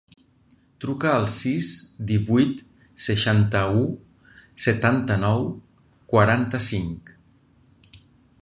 Truca al sis, divuit, seixanta-u, setanta-nou, quaranta-cinc.